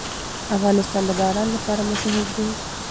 افغانستان د باران لپاره مشهور دی.